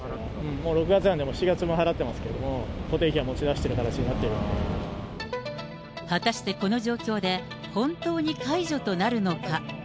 もう６月なんで、７月分も払ってますけど、固定費は持ち出している形になっている果たしてこの状況で、本当に解除となるのか。